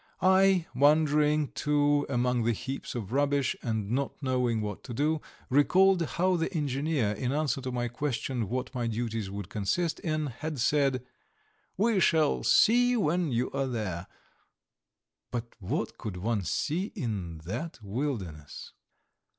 I, wandering, too, among the heaps of rubbish, and not knowing what to do, recalled how the engineer, in answer to my question what my duties would consist in, had said: "We shall see when you are there"; but what could one see in that wilderness?